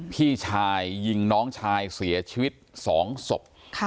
พี่ชายยิงน้องชายเสียชีวิต๒ศพ